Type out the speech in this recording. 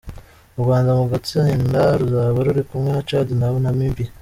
U Rwanda mu gatsinda ruzaba ruri kumwe na Tchad na Namibia.